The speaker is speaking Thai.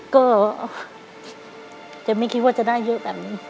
ก็จะไม่คิดว่าจะได้เยอะแบบนี้